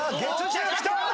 １０きた。